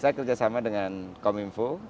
saya kerjasama dengan kominfo